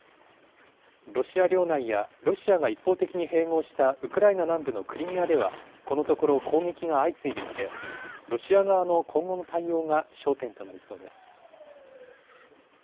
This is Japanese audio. ロシア領内やロシアが一方的に併合したウクライナ南部のクリミアでは、このところ攻撃が相次いでいて、ロシア側の今後の対応が焦点となりそうです。